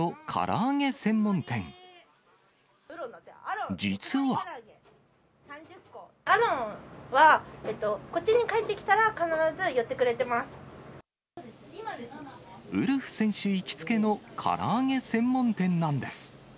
アロンは、こっちに帰ってきウルフ選手行きつけのから揚げ専門店なんです。